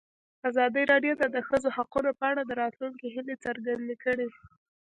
ازادي راډیو د د ښځو حقونه په اړه د راتلونکي هیلې څرګندې کړې.